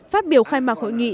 phát biểu khai mạc hội nghị